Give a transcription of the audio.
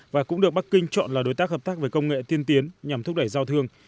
và cũng được bắc kinh chọn là đối tác hợp tác về công nghệ tiên tiến nhằm thúc đẩy giao thương